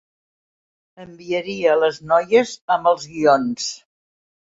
Enviaria les noies amb els guions.